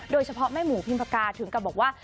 โดยเฉพาะแม่หมูพิมพากาถึงก็บอกว่า